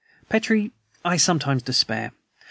Petrie, I sometimes despair.